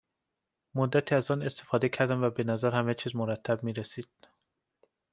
مدتی از آن استفاده کردم و به نظر همه چیز مرتب میرسید